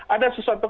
ada sesuatu kegiatan